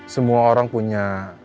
semua orang punya